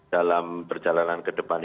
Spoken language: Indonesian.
dalam perjalanan kedepan